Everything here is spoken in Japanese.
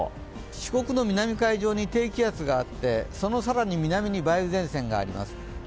四国の南海上に低気圧があってその更に南に梅雨前線があります。